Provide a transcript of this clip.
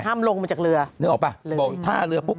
ห้ามลงมาจากเรือ